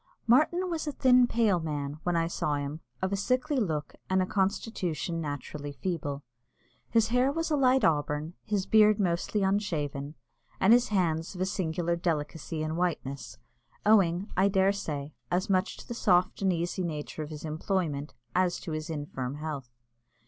Martin was a thin pale man, when I saw him, of a sickly look, and a constitution naturally feeble. His hair was a light auburn, his beard mostly unshaven, and his hands of a singular delicacy and whiteness, owing, I dare say, as much to the soft and easy nature of his employment as to his infirm health.